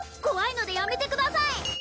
怖いのでやめてください